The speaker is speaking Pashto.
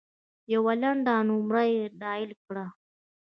یوه لنډه نمره یې ډایل کړه .